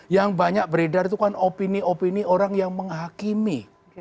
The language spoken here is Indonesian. yang banyak beredar itu kan opini opini orang yang menghakimi